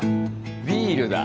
ビールだ。